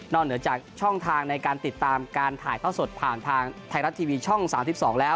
เหนือจากช่องทางในการติดตามการถ่ายท่อสดผ่านทางไทยรัฐทีวีช่อง๓๒แล้ว